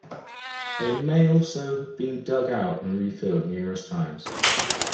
They may also have been dug out and refilled numerous times.